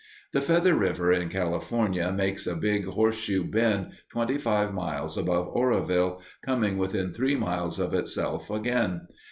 The Feather River in California makes a big horseshoe bend twenty five miles above Oroville, coming within three miles of itself again.